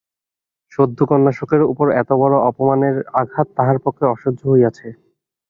সদ্য কন্যাশোকের উপর এতবড়ো অপমানের আঘাত তাহার পক্ষে অসহ্য হইয়াছে।